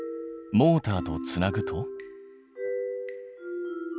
モーターとつなぐと？